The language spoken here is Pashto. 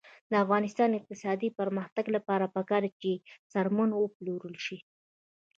د افغانستان د اقتصادي پرمختګ لپاره پکار ده چې څرمن وپلورل شي.